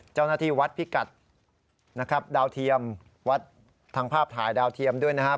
เจ้าหน้าที่วัดพิกัดนะครับดาวเทียมวัดทางภาพถ่ายดาวเทียมด้วยนะครับ